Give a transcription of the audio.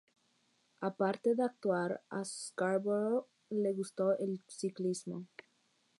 Aparte de actuar, a Scarborough le gusta el ciclismo.